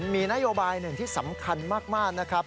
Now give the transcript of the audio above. มีนโยบายหนึ่งที่สำคัญมากนะครับ